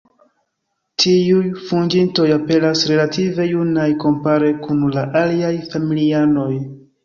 Tiuj "fuĝintoj" aperas relative junaj kompare kun la aliaj familianoj.